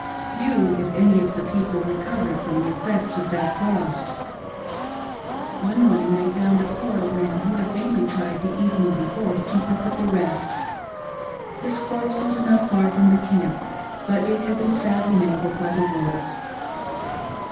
Few, if any, of the people recovered from the effects of that frost. One morning they found a poor old man who had vainly tried the evening before to keep up with the rest. His corpse was hot far from the camp, but it had been sadly mangled by the wolves.